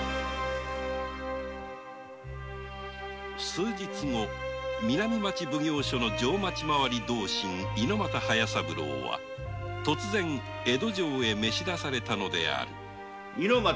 数日後南町奉行所の定町回り同心猪股隼三郎は江戸城へ召し出されたのである猪股